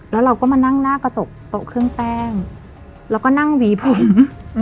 แล้วเราก็มานั่งหน้ากระจกโต๊ะเครื่องแป้งแล้วก็นั่งหวีผม